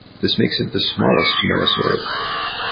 This makes it the smallest noasaurid.